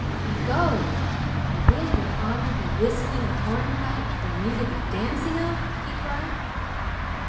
"Begolly! and will your honor be whistling the hornpipe for me to be dancing of?" he cried.